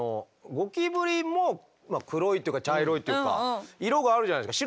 ゴキブリも黒いっていうか茶色いっていうか色があるじゃないですか。